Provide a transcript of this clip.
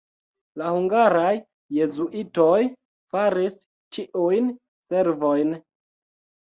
La hungaraj jezuitoj faris ĉiujn servojn.